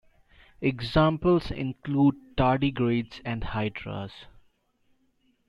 Examples include Tardigrades and Hydras.